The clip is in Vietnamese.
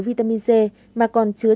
vitamin c mà còn chứa